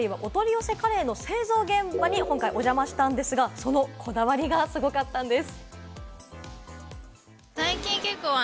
今回『ＤａｙＤａｙ．』はお取り寄せカレーの製造現場にお邪魔したんですが、そのこだわりがすごかったんです。